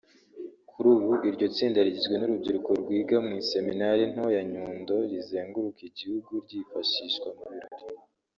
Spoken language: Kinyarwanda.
Kuri ubu iryo tsinda rigizwe n’urubyiruko rwiga mu iseminari nto ya Nyundo rizenguruka igihugu ryifashishwa mu birori